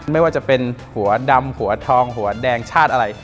ไม่ว่าจะเป็นหัวดำหัวทองหัวแดงชาติอะไร